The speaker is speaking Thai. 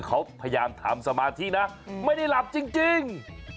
เขาพยายามทำสมาธินะไม่ได้หลับจริง